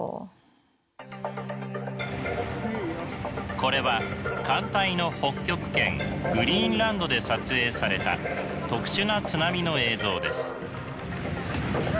これは寒帯の北極圏グリーンランドで撮影された特殊な津波の映像です。